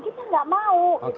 kita nggak mau gitu loh